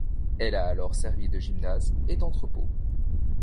Elle a alors servi de gymnase et d'entrepôt.